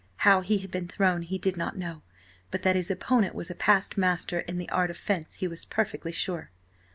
How he had been thrown he did not know, but that his opponent was a past master in the art of fence he was perfectly sure.